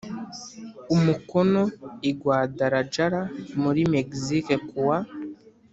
Umukono i guadalajara muri mexique kuwa